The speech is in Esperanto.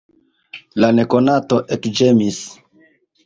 La nekonato ekĝemis.